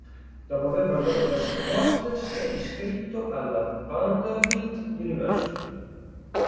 Dopo aver valutato diverse proposte, si è iscritto alla Vanderbilt University.